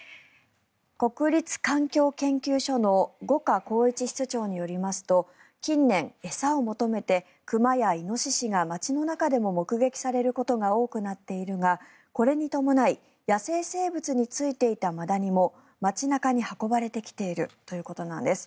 国立環境研究所の五箇公一室長によりますと近年、餌を求めて熊やイノシシが街の中でも目撃されることが多くなっているがこれに伴い野生生物についていたマダニも街中に運ばれてきているということなんです。